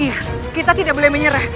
iya kita tidak boleh menyerah